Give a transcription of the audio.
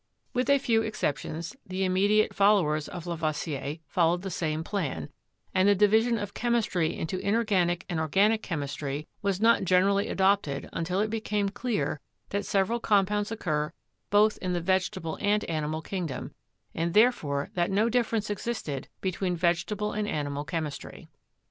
With a few ex ceptions, the immediate followers of Lavoisier followed the same plan, and the division of chemistry into inor ganic and organic chemistry was not generally adopted until it became clear that several compounds occur both in the vegetable and animal kingdom, and therefore that no difference existed between vegetable and animal chem istry.